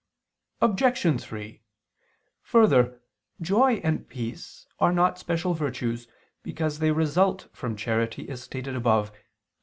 Obj. 3: Further, joy and peace are not special virtues, because they result from charity, as stated above (Q.